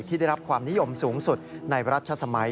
ที่ได้รับความนิยมสูงสุดในรัชสมัย